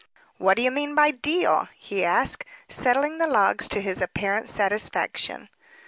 "What do you mean by 'deal?'" he asked, settling the logs to his apparent satisfaction.